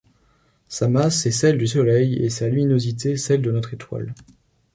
Sa masse est celle du Soleil et sa luminosité celle de notre étoile.